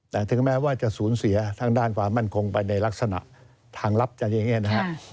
แถมแม้ว่าจะสูญเสียทางด้านความมั่นคงไปในลักษณะทางลับอย่างเงี้ยนะฮะ